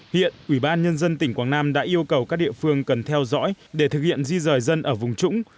hiện ủy ban nhân dân tỉnh quảng nam đã yêu cầu các địa phương cần theo dõi để thực hiện di rời dân ở vùng trũng